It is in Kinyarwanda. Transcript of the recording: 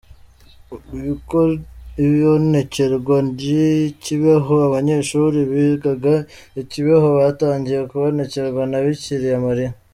Ibonekerwa ry’I Kibeho: Abanyeshuri bigaga I Kibeho batangiye kubonekerwa na Bikira Mariya.